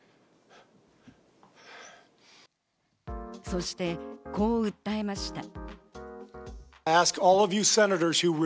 そして、こう訴えました。